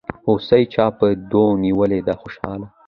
هوسۍ چا په دو نيولې دي خوشحاله